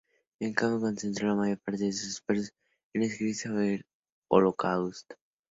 En cambio, concentró la mayor parte de sus esfuerzos en escribir sobre el Holocausto.